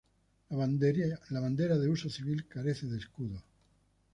La bandera de uso civil carece de escudo.